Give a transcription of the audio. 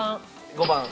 ５番？